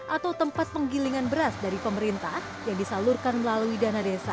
atau tempat penggilingan beras dari pemerintah yang disalurkan melalui dana desa